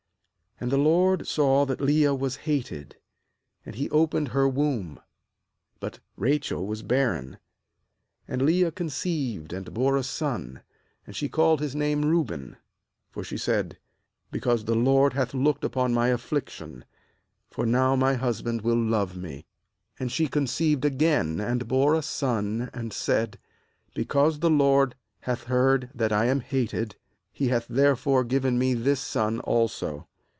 31And the LORD saw that Leah was hated, and he opened her womb; but Rachel was barren. ^And Leah con ceived, and bore a son, and she called his name Reuben; for she said: 'Be cause the LORD ahath looked upon my affliction; for now my husband w^It love me.' ^And she conceived again, and bore a son; and said: 'Because the LORD bhath heard that I am hated, He hath therefore given me this son also.'